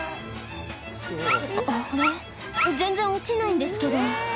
「あら？全然落ちないんですけど」